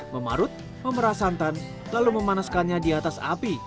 memarut memerah santan lalu memanaskannya di atas api